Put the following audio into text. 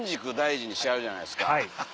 はい。